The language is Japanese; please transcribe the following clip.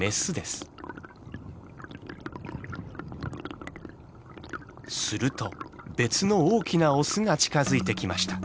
すると別の大きなオスが近づいてきました。